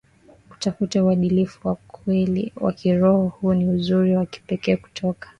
kutafuta uadilifu wa kweli wa kiroho Huu ni uzuri wa pekee kutoka